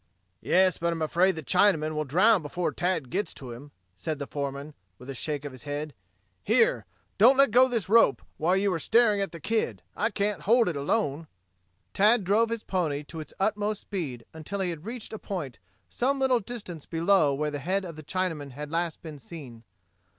"Yes, but I'm afraid the Chinaman will drown before Tad gets to him," said the foreman, with a shake of his head. "Here, don't let go of this rope while you are staring at the kid. I can't hold it alone." Tad drove his pony to its utmost speed until he had reached a point some little distance below where the head of the Chinaman had last been seen.